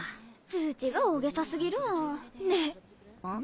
通知が大げさ過ぎるわ。ねぇ！